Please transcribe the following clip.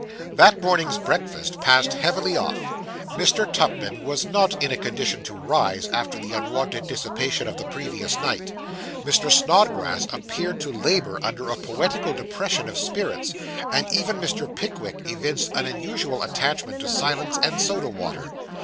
That morning's breakfast passed heavily off. Mr. Tupman was not in a condition to rise, after the unwonted dissipation of the previous night; Mr. Snodgrass appeared to labour under a poetical depression of spirits; and even Mr. Pickwick evinced an unusual attachment to silence and soda water.